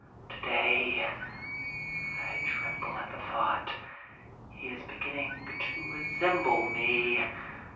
Today—I tremble at the thought—he is beginning to resemble me!